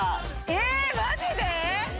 えマジで？